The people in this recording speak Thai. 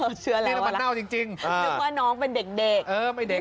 เนี้ยมันเบาจริงจริงคิดว่าน้องเป็นเด็กเด็กเออ